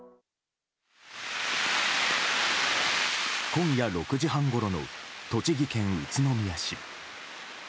今夜６時半ごろの栃木県宇都宮市。